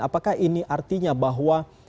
apakah ini artinya bahwa